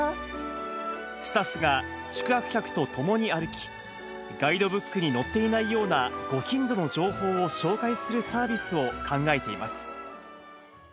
スタッフが宿泊客と共に歩き、ガイドブックに載っていないようなご近所の情報を紹介するサービスを考えています。